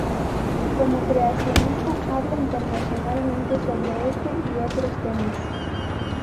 Como creacionista habla internacionalmente sobre este y otros temas.